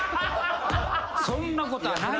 そんなことはない。